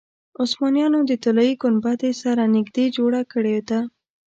عثمانیانو د طلایي ګنبدې سره نږدې جوړه کړې ده.